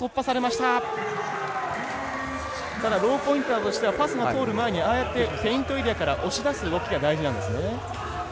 ただローポインターとしてはパスが通る前にペイントエリアから押し出す動きが大事なんですね。